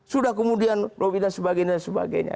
sudah kemudian dan sebagainya